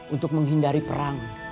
untuk menghindari perang